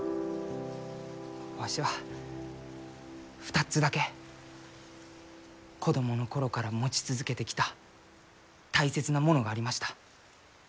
わしは２つだけ子供の頃から持ち続けてきた大切なものがありました。